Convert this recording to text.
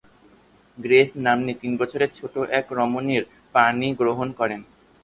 Grace নাম্নী তিন বছরের ছোট এক রমণীর পাণিগ্রহণ করেন তিনি।